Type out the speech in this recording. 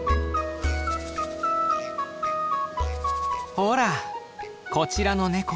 ほらこちらのネコも！